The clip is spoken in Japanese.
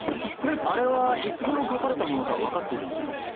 あれはいつごろ書かれたものか分かっているんですか？